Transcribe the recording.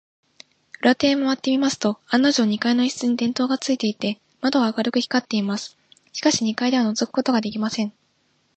裏手へまわってみますと、案のじょう、二階の一室に電燈がついていて、窓が明るく光っています。しかし、二階ではのぞくことができません。